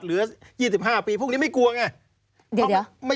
เหลือ๒๕ปีพวกนี้ไม่กลัวไง